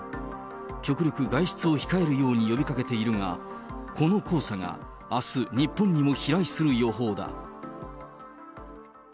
極力、外出を控えるように呼びかけているが、この黄砂があす、日本にも飛来する予報だ。